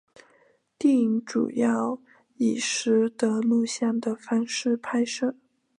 电影主要以拾得录像的方式拍摄。